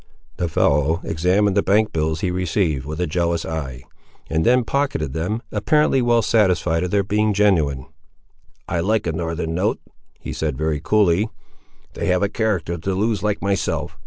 The fellow examined the bank bills he received, with a jealous eye, and then pocketed them, apparently well satisfied of their being genuine. "I like a northern note," he said very coolly; "they have a character to lose like myself.